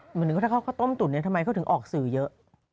เหมือนถ้าเขาต้มตุ๋นเนี่ยทำไมเขาถึงออกสื่อเยอะ